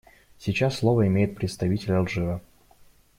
Сейчас слово имеет представитель Алжира.